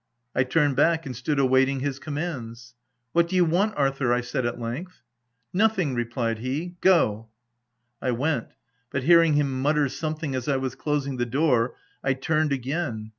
1 turned back, and stood awaiting his commands. "What do you want, Arthur ?" I said at length. « Nothing/' replied he. " Go !" I went, but hearing him mutter something as I was closing the door, I turned again.